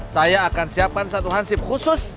saya akan siapkan satu hansip khusus